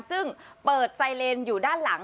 ซึ่งเปิดไซเลนอยู่ด้านหลัง